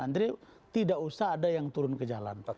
andre tidak usah ada yang turun ke jalan